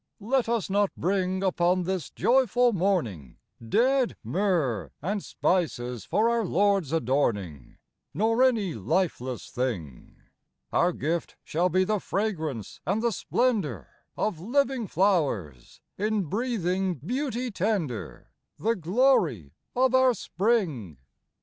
Let us not bring, upon this joyful morning, Dead myrrh and spices for our Lord's adorning, Nor any lifeless thing : Our gift shall be the fragrance and the splendor Of living flowers, in breathing beauty tender, The glory of our spring.